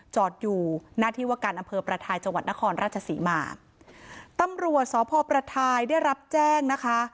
จอดอยู่หน้าที่ว่าการอำเภอประทายจังหวัดนครราชศรีมาตำรวจสพประทายได้รับแจ้งนะคะ